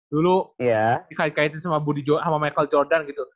dulu dikait kaitin sama michael jordan gitu